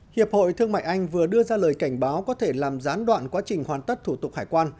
hiệp hội thương mại anh vừa đưa ra lời cảnh báo có thể làm gián đoạn quá trình hoàn tất thủ tục hải quan